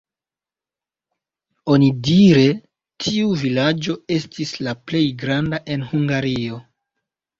Onidire tiu vilaĝo estis la plej granda en Hungario.